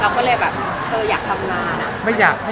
แต่มันเป็นแค่ว่าเราก็อยากจะกลับมา